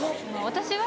私は。